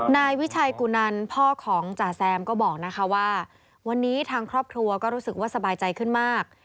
นายวิชัยกุนันพ่อของจ่าแซมก็บอกนะคะว่าวันนี้ทางครอบครัวก็รู้สึกว่าสบายใจขึ้นมาก